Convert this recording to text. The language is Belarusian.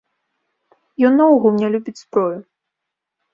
Ён наогул не любіць зброю.